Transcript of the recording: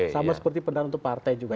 sama seperti pendanaan untuk partai juga